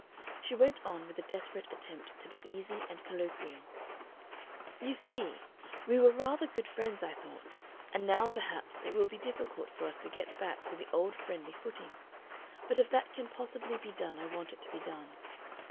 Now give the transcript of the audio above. She went on, with a desperate attempt to be easy and colloquial: "You see, we were rather good friends, I thought, and now perhaps it will be difficult for us to get back to the old friendly footing. But if that can possibly be done I want it to be done.